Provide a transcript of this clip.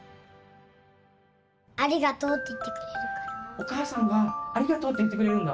お母さんが「ありがとう」って言ってくれるんだ。